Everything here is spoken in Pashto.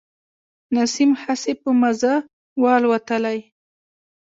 نسیم هسي په مزه و الوتلی.